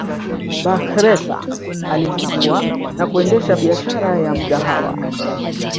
Bakhresa alifungua na kuendesha biashara ya Mgahawa